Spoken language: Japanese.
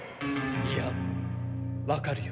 いやわかるよ。